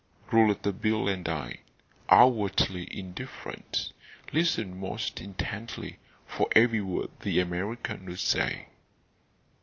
Rouletabille and I, outwardly indifferent, listened most intently for every word the American would say.